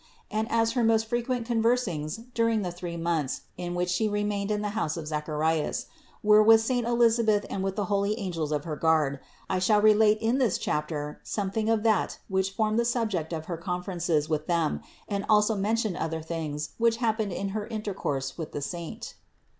And as her most frequent conversings during the three months, in which 197 198 CITY OF GOD She remained in the house of Zacharias, were with saint Elisabeth and with the holy angels of her guard, I shall relate in this chapter something of that which formed the subject of her conferences with them, and also men tion other things, which happened in her intercourse with the saint.